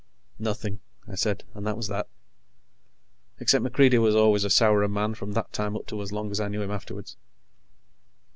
"Nothing," I said, and that was that, except MacReidie was always a sourer man from that time up to as long as I knew him afterwards.